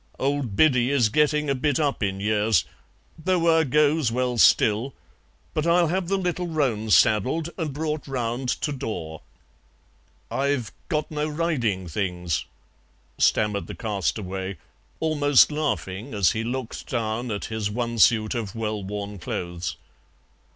Old Biddy is getting a bit up in years, though 'er goes well still, but I'll have the little roan saddled and brought round to door." "I've got no riding things," stammered the castaway, almost laughing as he looked down at his one suit of well worn clothes.